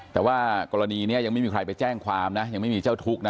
แต่ว่ากรณีนี้ยังไม่มีใครไปแจ้งความนะยังไม่มีเจ้าทุกข์นะ